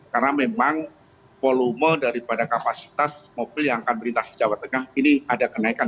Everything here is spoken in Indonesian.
karena memang volume daripada kapasitas mobil yang akan berlintas jawa tengah ini ada kenaikan